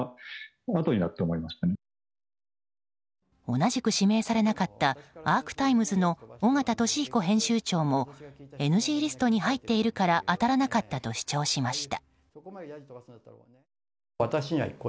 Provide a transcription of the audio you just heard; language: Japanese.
同じく指名されなかったアークタイムズの尾形聡彦編集長もＮＧリストに入っているから当たらなかったと主張しました。